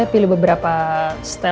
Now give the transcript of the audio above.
nanti kita ke radio gra paragraph